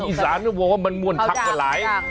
อ๋อคนอีสานบอกว่ามันม้วนทักกว่าหลาย